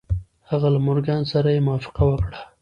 هغه له مورګان سره يې موافقه وکړه.